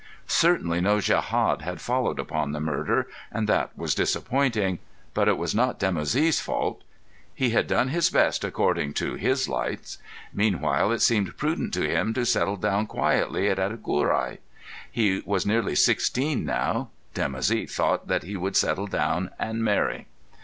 Certainly no djehad had followed upon the murder, and that was disappointing. But it was not Dimoussi's fault. He had done his best according to his lights. Meanwhile, it seemed prudent to him to settle down quietly at Agurai. He was nearly sixteen now. Dimoussi thought that he would settle down and marry.